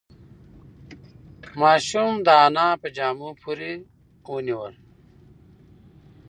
ماشوم د انا په جامو پورې ونیول.